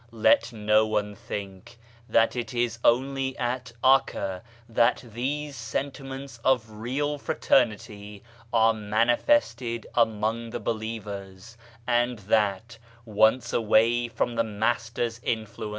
Let no one think that it is only at 'Akka that these sentiments of real fraternity are manifested among the believers, and that, once away from the Master's influence.